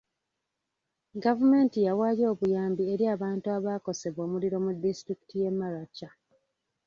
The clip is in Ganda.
Gavumenti yawaayo obuyambi eri abantu abaakosebwa omuliro mu disitulikiti y'e Maracha.